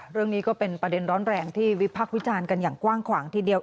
เรื่องนี้ก็เป็นประเด็นร้อนแรงที่วิพักษ์วิจารณ์กันอย่างกว้างขวางทีเดียว